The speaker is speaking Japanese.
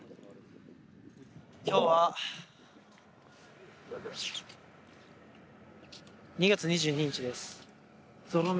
今日は２月２２日ですぞろ目。